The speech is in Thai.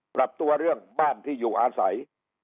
ปรับตัวเรื่องบ้านที่อยู่อาศัย